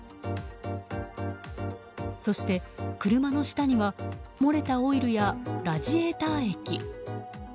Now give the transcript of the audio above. そして、車の下には漏れたオイルやラジエーター液。